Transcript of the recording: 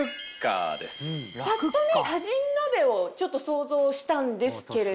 ぱっと見タジン鍋をちょっと想像したんですけれども。